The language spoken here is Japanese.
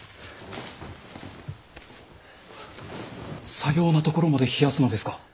さようなところまで冷やすのですか？